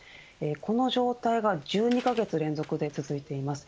この状態が１２カ月連続で続いています。